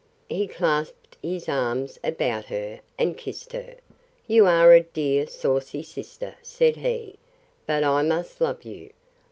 He clasped his arms about her, and kissed her: You are a dear saucy sister, said he; but I must love you!